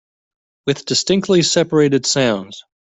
With distinctly separated sounds.